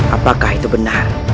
apakah itu benar